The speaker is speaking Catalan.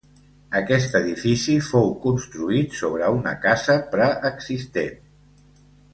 Aquest edifici fou construït sobre una casa preexistent.